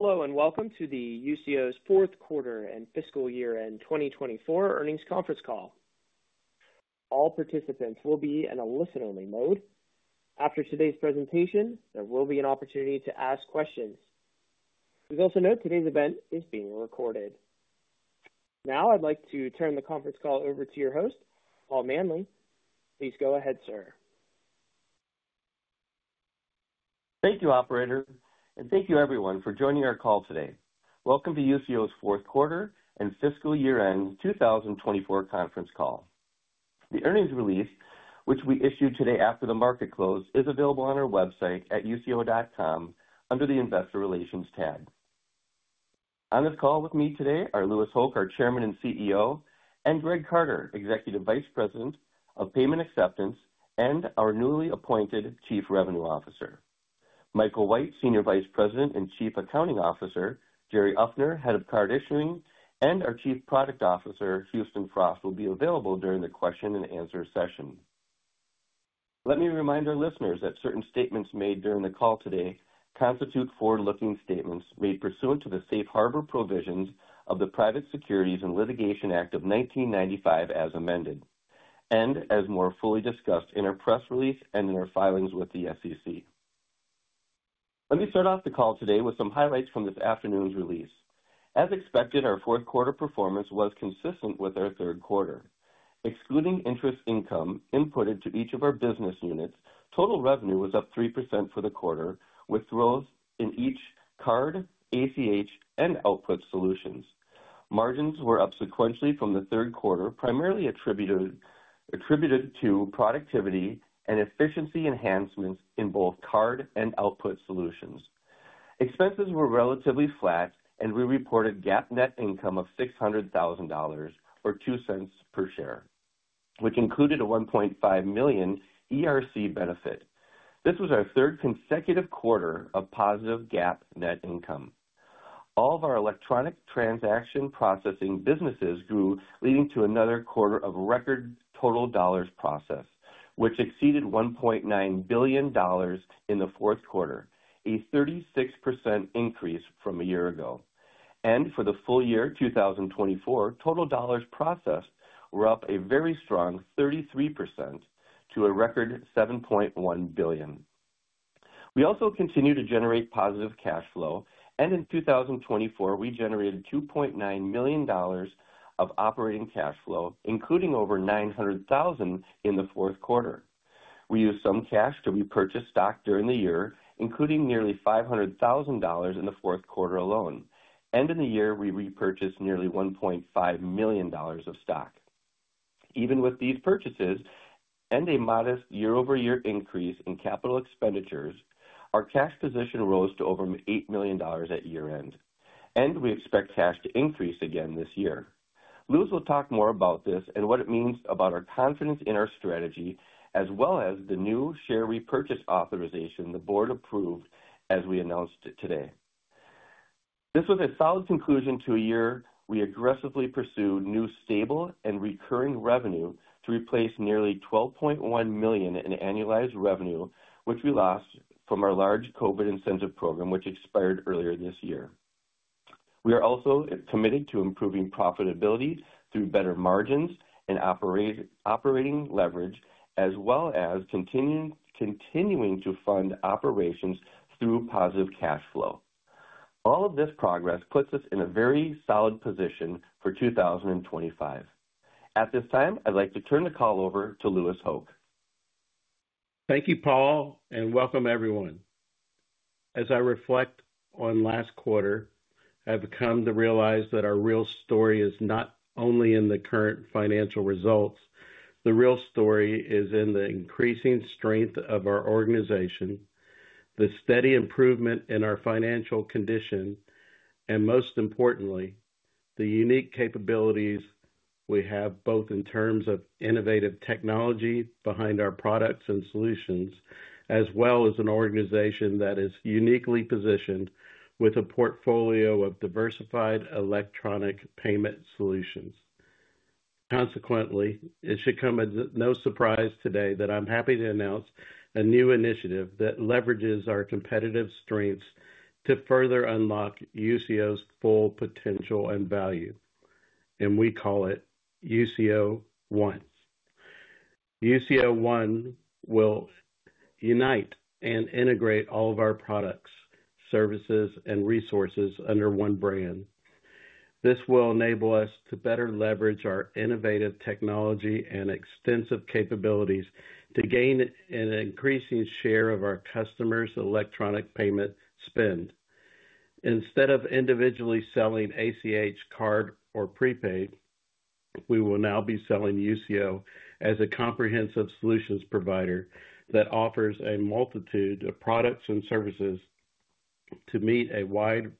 Hello, and welcome to Usio's fourth quarter and fiscal year-end 2024 earnings conference call. All participants will be in a listen-only mode. After today's presentation, there will be an opportunity to ask questions. Please also note today's event is being recorded. Now, I'd like to turn the conference call over to your host, Paul Manley. Please go ahead, sir. Thank you, Operator, and thank you, everyone, for joining our call today. Welcome to Usio's fourth quarter and fiscal year-end 2024 conference call. The earnings release, which we issued today after the market closed, is available on our website at usio.com under the Investor Relations tab. On this call with me today are Louis Hoch, our Chairman and CEO, and Greg Carter, Executive Vice President of Payment Acceptance and our newly appointed Chief Revenue Officer. Michael White, Senior Vice President and Chief Accounting Officer; Jerry Uffner, Head of Card Issuing; and our Chief Product Officer, Houston Frost, will be available during the question-and-answer session. Let me remind our listeners that certain statements made during the call today constitute forward-looking statements made pursuant to the Safe Harbor Provisions of the Private Securities Litigation Reform Act of 1995, as amended, and as more fully discussed in our press release and in our filings with the SEC. Let me start off the call today with some highlights from this afternoon's release. As expected, our fourth quarter performance was consistent with our third quarter. Excluding interest income imputed to each of our business units, total revenue was up 3% for the quarter, with growth in each Card, ACH, and Output Solutions. Margins were up sequentially from the third quarter, primarily attributed to productivity and efficiency enhancements in both Card and Output Solutions. Expenses were relatively flat, and we reported GAAP net income of $600,000 or 2 cents per share, which included a $1.5 million ERC benefit. This was our third consecutive quarter of positive GAAP net income. All of our electronic transaction processing businesses grew, leading to another quarter of record total dollars processed, which exceeded $1.9 billion in the fourth quarter, a 36% increase from a year ago. For the full year 2024, total dollars processed were up a very strong 33% to a record $7.1 billion. We also continue to generate positive cash flow, and in 2024, we generated $2.9 million of operating cash flow, including over $900,000 in the fourth quarter. We used some cash to repurchase stock during the year, including nearly $500,000 in the fourth quarter alone. In the year, we repurchased nearly $1.5 million of stock. Even with these purchases and a modest year-over-year increase in capital expenditures, our cash position rose to over $8 million at year-end, and we expect cash to increase again this year. Louis will talk more about this and what it means about our confidence in our strategy, as well as the new share repurchase authorization the Board approved as we announced it today. This was a solid conclusion to a year we aggressively pursued new stable and recurring revenue to replace nearly $12.1 million in annualized revenue, which we lost from our large COVID incentive program, which expired earlier this year. We are also committed to improving profitability through better margins and operating leverage, as well as continuing to fund operations through positive cash flow. All of this progress puts us in a very solid position for 2025. At this time, I'd like to turn the call over to Louis Hoch. Thank you, Paul, and welcome, everyone. As I reflect on last quarter, I've come to realize that our real story is not only in the current financial results. The real story is in the increasing strength of our organization, the steady improvement in our financial condition, and most importantly, the unique capabilities we have both in terms of innovative technology behind our products and solutions, as well as an organization that is uniquely positioned with a portfolio of diversified electronic payment solutions. Consequently, it should come as no surprise today that I'm happy to announce a new initiative that leverages our competitive strengths to further unlock Usio's full potential and value, and we call it Usio One. Usio One will unite and integrate all of our products, services, and resources under one brand. This will enable us to better leverage our innovative technology and extensive capabilities to gain an increasing share of our customers' electronic payment spend. Instead of individually selling ACH, Card, or Prepaid, we will now be selling Usio as a comprehensive solutions provider that offers a multitude of products and services to meet a wide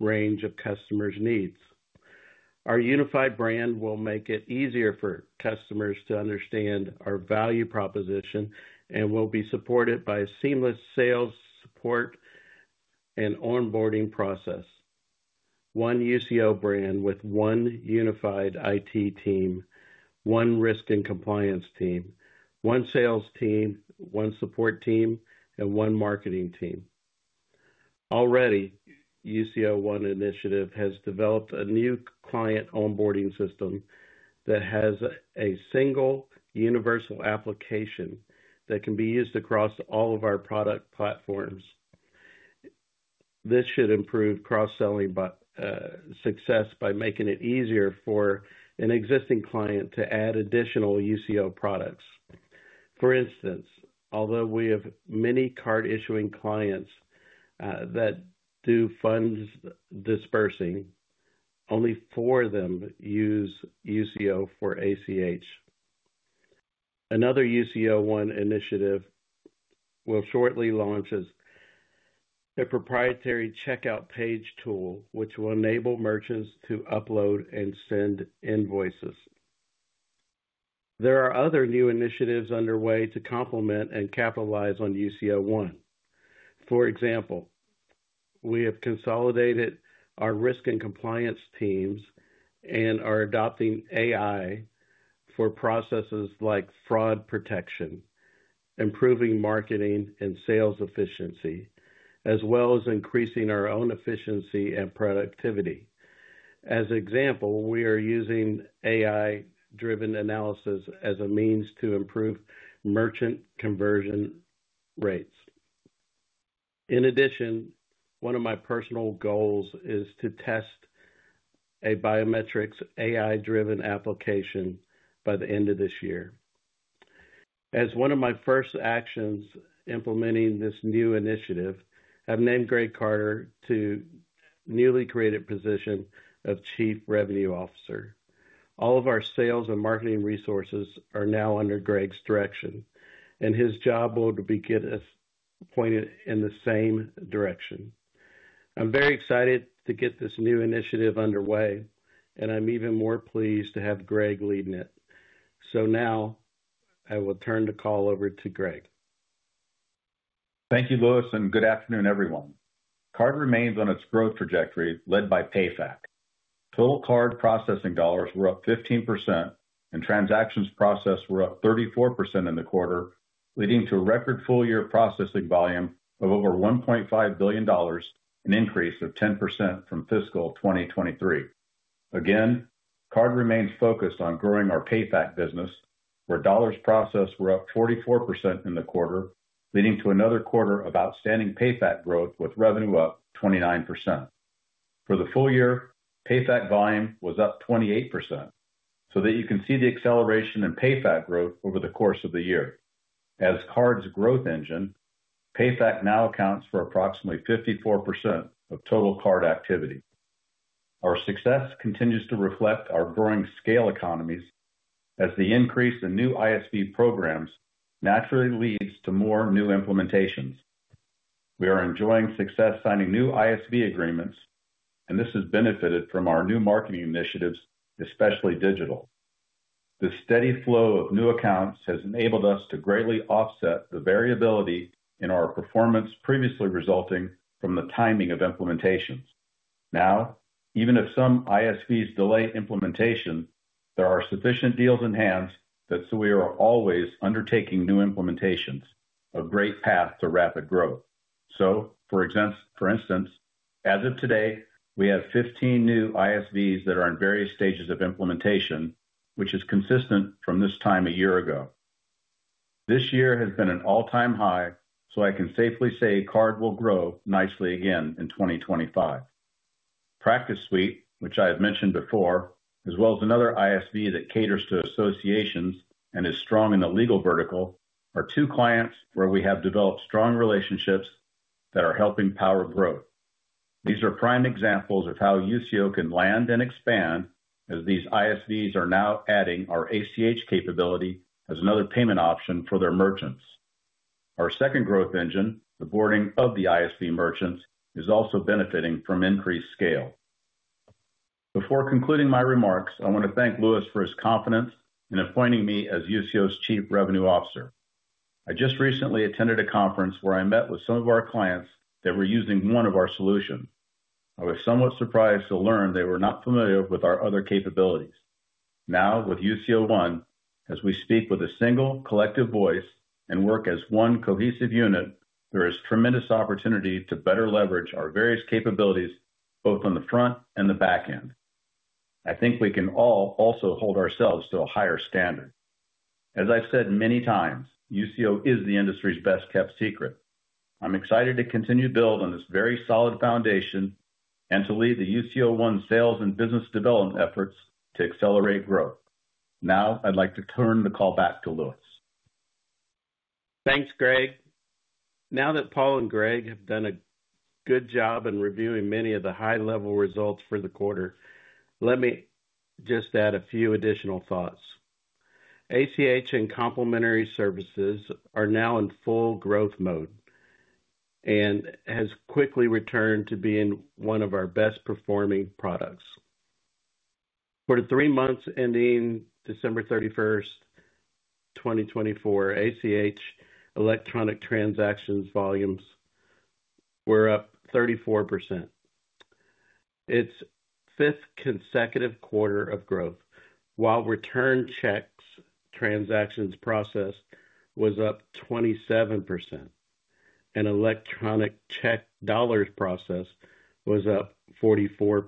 range of customers' needs. Our unified brand will make it easier for customers to understand our value proposition and will be supported by a seamless sales support and onboarding process. One Usio brand with one unified IT team, one risk and compliance team, one sales team, one support team, and one marketing team. Already, Usio One Initiative has developed a new client onboarding system that has a single universal application that can be used across all of our product platforms. This should improve cross-selling success by making it easier for an existing client to add additional Usio products. For instance, although we have many card-issuing clients that do funds disbursing, only four of them use Usio for ACH. Another Usio One initiative will shortly launch a proprietary checkout page tool, which will enable merchants to upload and send invoices. There are other new initiatives underway to complement and capitalize on Usio One. For example, we have consolidated our risk and compliance teams and are adopting AI for processes like fraud protection, improving marketing and sales efficiency, as well as increasing our own efficiency and productivity. As an example, we are using AI-driven analysis as a means to improve merchant conversion rates. In addition, one of my personal goals is to test a biometrics AI-driven application by the end of this year. As one of my first actions implementing this new initiative, I've named Greg Carter to the newly created position of Chief Revenue Officer. All of our sales and marketing resources are now under Greg's direction, and his job will begin us pointed in the same direction. I'm very excited to get this new initiative underway, and I'm even more pleased to have Greg leading it. I will now turn the call over to Greg. Thank you, Louis, and good afternoon, everyone. Card remains on its growth trajectory led by PayFac. Total card processing dollars were up 15%, and transactions processed were up 34% in the quarter, leading to a record full-year processing volume of over $1.5 billion, an increase of 10% from fiscal 2023. Again, Card remains focused on growing our PayFac business, where dollars processed were up 44% in the quarter, leading to another quarter of outstanding PayFac growth with revenue up 29%. For the full year, PayFac volume was up 28%, so that you can see the acceleration in PayFac growth over the course of the year. As Card's growth engine, PayFac now accounts for approximately 54% of total card activity. Our success continues to reflect our growing scale economies, as the increase in new ISV programs naturally leads to more new implementations. We are enjoying success signing new ISV agreements, and this has benefited from our new marketing initiatives, especially digital. The steady flow of new accounts has enabled us to greatly offset the variability in our performance previously resulting from the timing of implementations. Now, even if some ISVs delay implementation, there are sufficient deals in hand so we are always undertaking new implementations, a great path to rapid growth. For instance, as of today, we have 15 new ISVs that are in various stages of implementation, which is consistent from this time a year ago. This year has been an all-time high, so I can safely say Card will grow nicely again in 2025. PracticeSuite, which I have mentioned before, as well as another ISV that caters to associations and is strong in the legal vertical, are two clients where we have developed strong relationships that are helping power growth. These are prime examples of how Usio can land and expand, as these ISVs are now adding our ACH capability as another payment option for their merchants. Our second growth engine, the boarding of the ISV merchants, is also benefiting from increased scale. Before concluding my remarks, I want to thank Louis for his confidence in appointing me as Usio's Chief Revenue Officer. I just recently attended a conference where I met with some of our clients that were using one of our solutions. I was somewhat surprised to learn they were not familiar with our other capabilities. Now, with Usio One, as we speak with a single collective voice and work as one cohesive unit, there is tremendous opportunity to better leverage our various capabilities both on the front and the back end. I think we can all also hold ourselves to a higher standard. As I've said many times, Usio is the industry's best-kept secret. I'm excited to continue to build on this very solid foundation and to lead the Usio One sales and business development efforts to accelerate growth. Now, I'd like to turn the call back to Louis. Thanks, Greg. Now that Paul and Greg have done a good job in reviewing many of the high-level results for the quarter, let me just add a few additional thoughts. ACH and complementary services are now in full growth mode and have quickly returned to being one of our best-performing products. For the three months ending December 31, 2024, ACH electronic transactions volumes were up 34%. Its fifth consecutive quarter of growth, while return checks transactions processed was up 27%, and electronic check dollars processed was up 44%.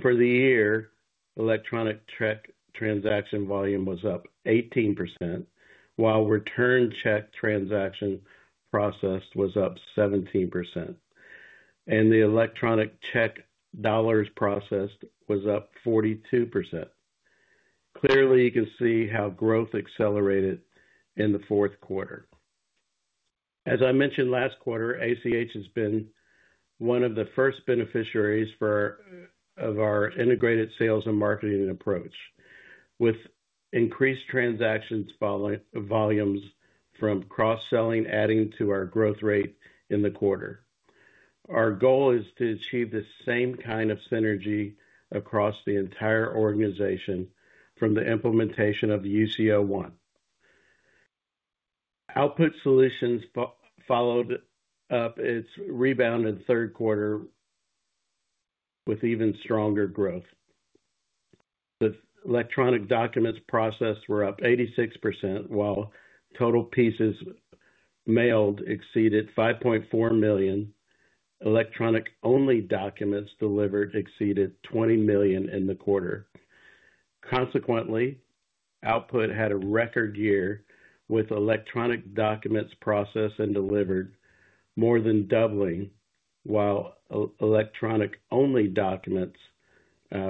For the year, electronic check transaction volume was up 18%, while return check transaction processed was up 17%, and the electronic check dollars processed was up 42%. Clearly, you can see how growth accelerated in the fourth quarter. As I mentioned last quarter, ACH has been one of the first beneficiaries of our integrated sales and marketing approach, with increased transactions volumes from cross-selling adding to our growth rate in the quarter. Our goal is to achieve the same kind of synergy across the entire organization from the implementation of Usio One. Output Solutions followed up its rebound in third quarter with even stronger growth. The electronic documents processed were up 86%, while total pieces mailed exceeded 5.4 million. Electronic-only documents delivered exceeded 20 million in the quarter. Consequently, Output had a record year with electronic documents processed and delivered more than doubling, while electronic-only documents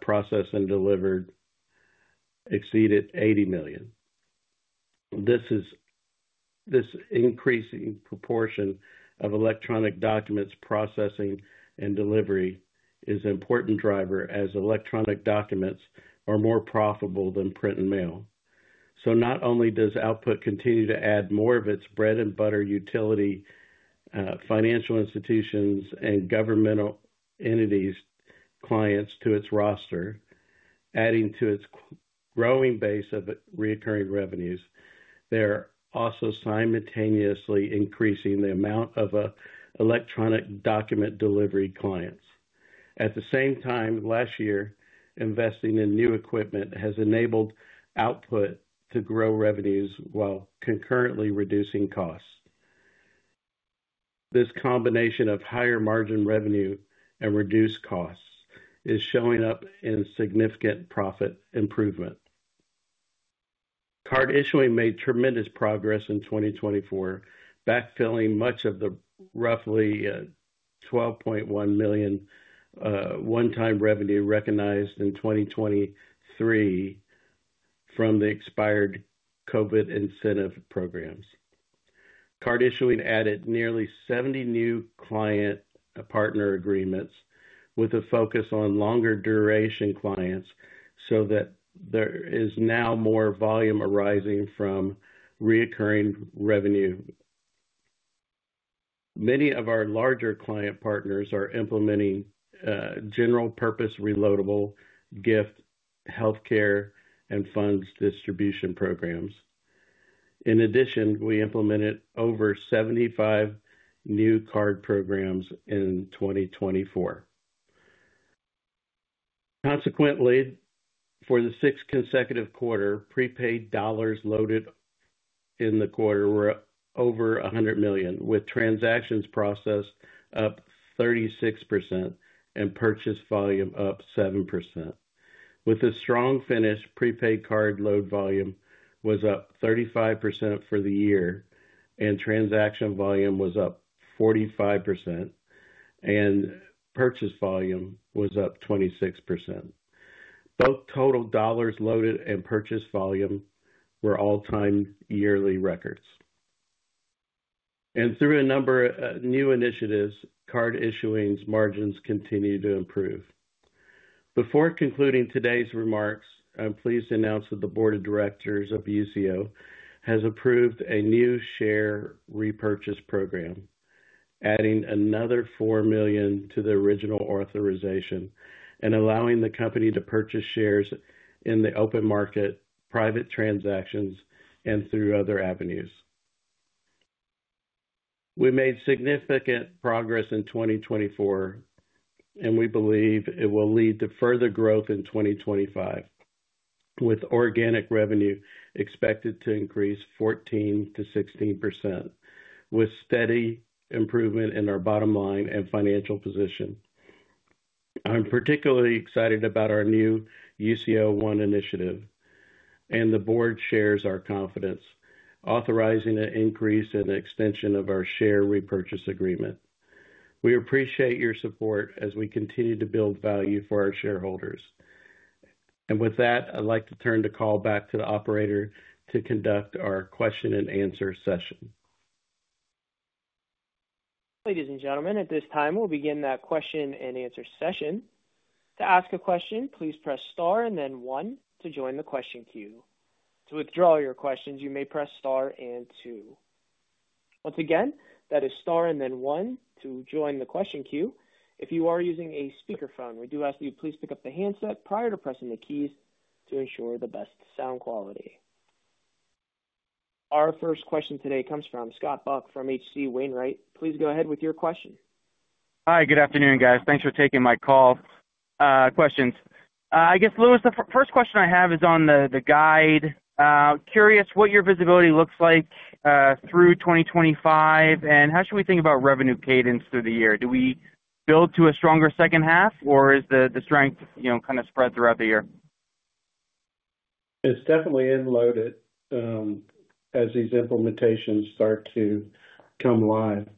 processed and delivered exceeded 80 million. This increasing proportion of electronic documents processing and delivery is an important driver, as electronic documents are more profitable than print and mail. Not only does Output Solutions continue to add more of its bread-and-butter utility, financial institutions, and governmental entities clients to its roster, adding to its growing base of recurring revenues, they are also simultaneously increasing the amount of electronic document delivery clients. At the same time, last year, investing in new equipment has enabled Output Solutions to grow revenues while concurrently reducing costs. This combination of higher margin revenue and reduced costs is showing up in significant profit improvement. Card Issuing made tremendous progress in 2024, backfilling much of the roughly $12.1 million one-time revenue recognized in 2023 from the expired COVID incentive programs. Card Issuing added nearly 70 new client partner agreements with a focus on longer-duration clients so that there is now more volume arising from recurring revenue. Many of our larger client partners are implementing general-purpose reloadable gift healthcare and funds distribution programs. In addition, we implemented over 75 new Card programs in 2024. Consequently, for the sixth consecutive quarter, prepaid dollars loaded in the quarter were over $100 million, with transactions processed up 36% and purchase volume up 7%. With a strong finish, prepaid card load volume was up 35% for the year, and transaction volume was up 45%, and purchase volume was up 26%. Both total dollars loaded and purchase volume were all-time yearly records. Through a number of new initiatives, Card issuing's margins continue to improve. Before concluding today's remarks, I'm pleased to announce that the Board of Directors of Usio has approved a new share repurchase program, adding another $4 million to the original authorization and allowing the company to purchase shares in the open market, private transactions, and through other avenues. We made significant progress in 2024, and we believe it will lead to further growth in 2025, with organic revenue expected to increase 14%-16%, with steady improvement in our bottom line and financial position. I'm particularly excited about our new Usio One Initiative, and the Board shares our confidence authorizing an increase and extension of our share repurchase agreement. We appreciate your support as we continue to build value for our shareholders. I would like to turn the call back to the operator to conduct our question-and-answer session. Ladies and gentlemen, at this time, we'll begin that question-and-answer session. To ask a question, please press Star and then One to join the question queue. To withdraw your questions, you may press Star and Two. Once again, that is Star and then One to join the question queue. If you are using a speakerphone, we do ask that you please pick up the handset prior to pressing the keys to ensure the best sound quality. Our first question today comes from Scott Buck from H.C. Wainwright. Please go ahead with your question. Hi, good afternoon, guys. Thanks for taking my questions. I guess, Louis, the first question I have is on the guide. Curious what your visibility looks like through 2025, and how should we think about revenue cadence through the year? Do we build to a stronger second half, or is the strength kind of spread throughout the year? It's definitely end-loaded as these implementations start to come live.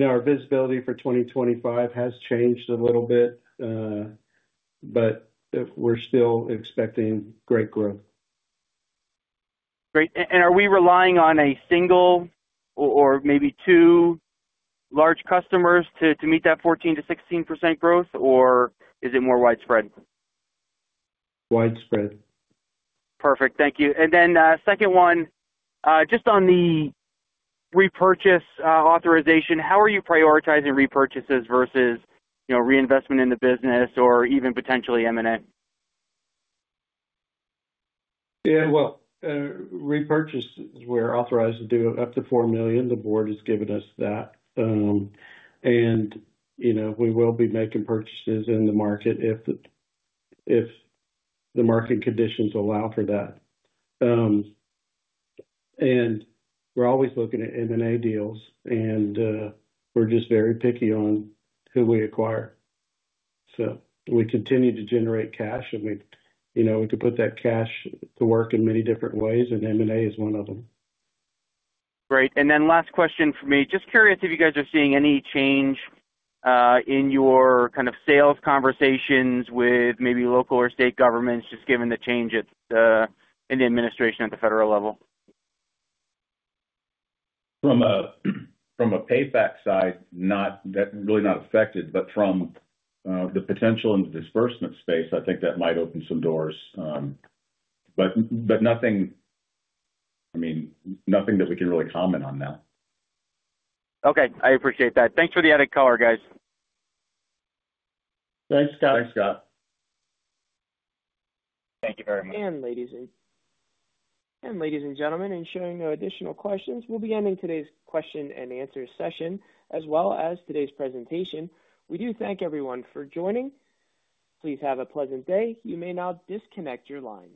Our visibility for 2025 has changed a little bit, but we're still expecting great growth. Great. Are we relying on a single or maybe two large customers to meet that 14%-16% growth, or is it more widespread? Widespread. Perfect. Thank you. The second one, just on the repurchase authorization, how are you prioritizing repurchases versus reinvestment in the business or even potentially M&A? Yeah, repurchases, we're authorized to do up to $4 million. The Board has given us that. We will be making purchases in the market if the market conditions allow for that. We're always looking at M&A deals, and we're just very picky on who we acquire. We continue to generate cash, and we could put that cash to work in many different ways, and M&A is one of them. Great. Last question for me, just curious if you guys are seeing any change in your kind of sales conversations with maybe local or state governments, just given the change in the administration at the federal level. From a PayFac side, really not affected, but from the potential in the disbursement space, I think that might open some doors. Nothing, I mean, nothing that we can really comment on now. Okay. I appreciate that. Thanks for the added color, guys. Thanks, Scott. Thanks, Scott. Thank you very much. Ladies and gentlemen, ensuring no additional questions, we will be ending today's question-and-answer session as well as today's presentation. We do thank everyone for joining. Please have a pleasant day. You may now disconnect your line.